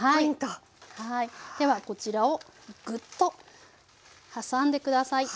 ではこちらをグッと挟んで下さい。